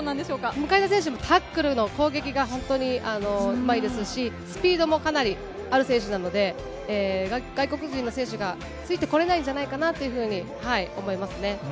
向田選手もタックルの攻撃が本当にうまいですし、スピードもかなりある選手なので、外国人の選手がついてこれないんじゃないかなというふうに思いますね。